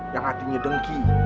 yang hatinya dengki